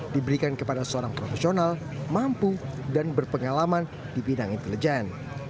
diberikan kepada seorang profesional mampu dan berpengalaman di bidang intelijen